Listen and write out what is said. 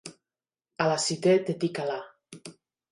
A la "citè" te tic Alà.